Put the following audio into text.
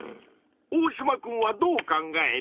オオシマくんはどう考える？